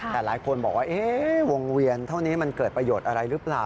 ทีนี้แผงความว่าวงเวียนเท่านี้เกิดประโยชน์อะไรรึเปล่า